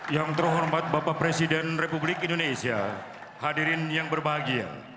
yang terhormat bapak presiden republik indonesia hadirin yang berbahagia